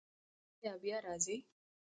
ایا بیا راځئ؟